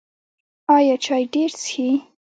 ایا چای ډیر څښئ؟